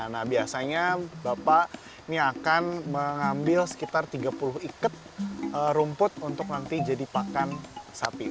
nah biasanya bapak ini akan mengambil sekitar tiga puluh ikat rumput untuk nanti jadi pakan sapi